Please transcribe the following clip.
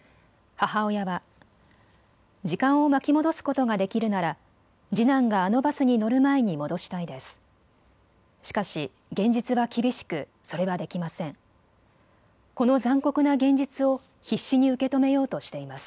母親は時間を巻き戻すことができるなら次男があのバスに乗る前に戻したいです。